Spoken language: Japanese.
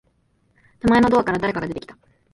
手前のドアから、誰かが出てきた。